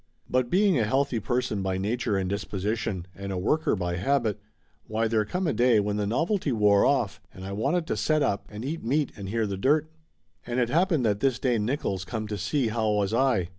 But being a healthy person by nature and disposition, and a worker by habit, why there come a day when the novelty wore off and I wanted to set up and eat meat and hear the dirt. And it happened that this day Nick oils come to see how was I.